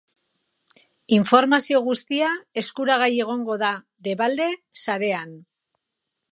Informazio guztia eskuragai egongo da, debalde, sarean.